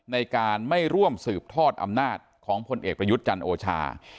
ในการไม่ร่วมสืบทอดอำนาจของพลเอกประยุทธ์จันทร์โอชา